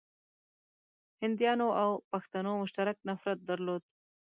هنديانو او پښتنو مشترک نفرت درلود.